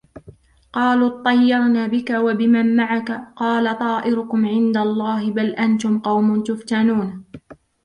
قالوا اطيرنا بك وبمن معك قال طائركم عند الله بل أنتم قوم تفتنون